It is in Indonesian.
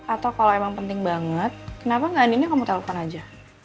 atau kalau emang penting banget kenapa nganinnya kamu telpon aja